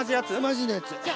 マジなやつ？